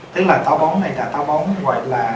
tức là táo bón này là táo bón gọi là